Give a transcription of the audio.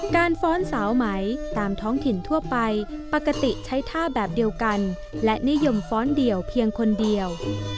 ฟ้อนสาวไหมตามท้องถิ่นทั่วไปปกติใช้ท่าแบบเดียวกันและนิยมฟ้อนเดี่ยวเพียงคนเดียว